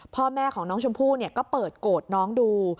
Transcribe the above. พ่อแม่ของน้องชมพู่ก็เปิดโกรธน้องดู